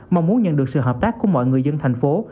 mong muốn nhận được sự hợp tác của mọi người dân thành phố